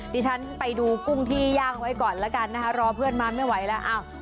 ดิฉันไปดูกุ้งที่ย่างไว้ก่อนแล้วกันนะคะรอเพื่อนมาไม่ไหวแล้ว